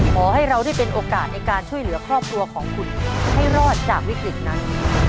ขอให้เราได้เป็นโอกาสในการช่วยเหลือครอบครัวของคุณให้รอดจากวิกฤตนั้น